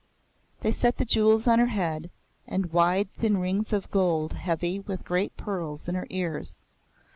They set the jewels on her head, and wide thin rings of gold heavy with great pearls in her ears.